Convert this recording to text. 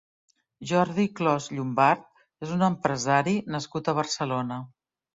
Jordi Clos Llombart és un empresari nascut a Barcelona.